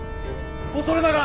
恐れながら。